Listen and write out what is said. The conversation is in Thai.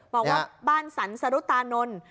บอกว่าบ้านสรรสรุตานนท์